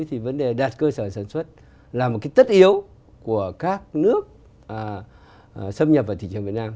thì vấn đề đặt cơ sở sản xuất là một cái tất yếu của các nước xâm nhập vào thị trường việt nam